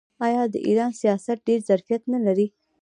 آیا د ایران سیاحت ډیر ظرفیت نلري؟